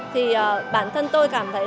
thì bản thân tôi cảm thấy